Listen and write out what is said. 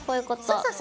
そうそう。